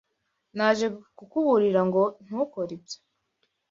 Naje kukuburira ngo ntukore ibyo.